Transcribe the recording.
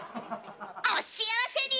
お幸せに！